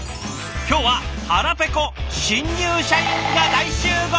今日は腹ぺこ新入社員が大集合！